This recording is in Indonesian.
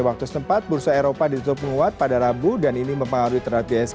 waktu setempat bursa eropa ditutup menguat pada rabu dan ini mempengaruhi terhadap isg